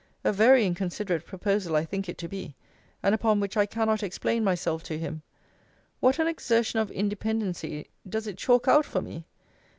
A very inconsiderate proposal I think it to be, and upon which I cannot explain myself to him. What an exertion of independency does it chalk out for me!